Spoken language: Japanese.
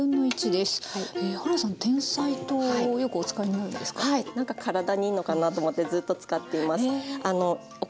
なんか体にいいのかなと思ってずっと使っています。